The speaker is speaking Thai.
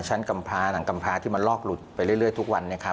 ชั้นกำพลาหนังกำพลาที่มันลอกหลุดไปเรื่อยทุกวัน